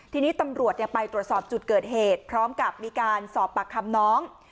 ทีนี้ตำรวจไปตรวจสอบจุดเกิดเหตุพร้อมกับมีการสอบปากคำน้อง